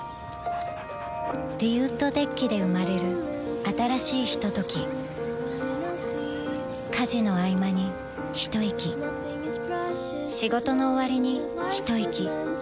リウッドデッキで生まれる新しいひととき家事のあいまにひといき仕事のおわりにひといき